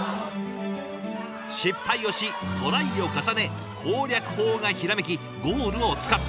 失敗をしトライを重ね攻略法がひらめきゴールをつかむ。